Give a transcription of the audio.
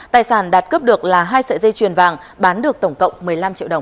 tài sản đạt cướp được là hai sợi dây chuyền vàng bán được tổng cộng một mươi năm triệu đồng